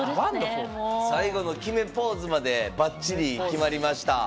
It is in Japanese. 最後の決めポーズまでばっちり決まりました。